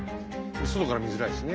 外から見づらいしね。